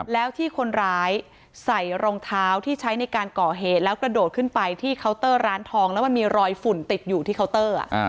แล้วที่คนร้ายใส่รองเท้าที่ใช้ในการก่อเหตุแล้วกระโดดขึ้นไปที่เคาน์เตอร์ร้านทองแล้วมันมีรอยฝุ่นติดอยู่ที่เคาน์เตอร์